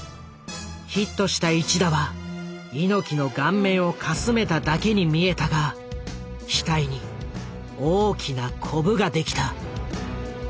ヒットした一打は猪木の顔面をかすめただけに見えたが額に大きなコブができた。